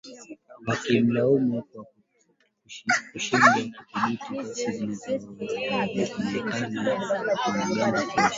wakimlaumu kwa kushindwa kudhibiti ghasia zinazoongezeka za wanamgambo wa kiislamu